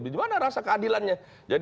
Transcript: bagaimana rasa keadilannya